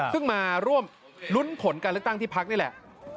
ซึ่งมาร่วมรุ้นผลการเลือกตั้งที่พักนี่แหละ